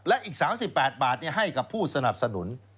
และอีก๓๘บาทให้กับผู้สนับสนุน